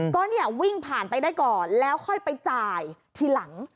ก็เนี่ยวิ่งผ่านไปได้ก่อนแล้วค่อยไปจ่ายทีหลัง